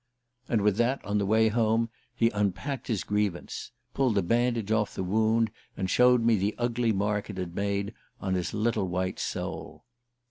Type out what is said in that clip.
And with that, on the way home, he unpacked his grievance pulled the bandage off the wound, and showed me the ugly mark it had made on his little white soul.